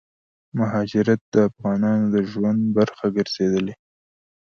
مهاجرت دافغانانو دژوند برخه ګرځيدلې